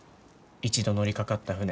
一度乗りかかった船